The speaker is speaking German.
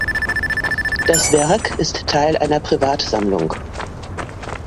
Das Werk ist Teil einer Privatsammlung.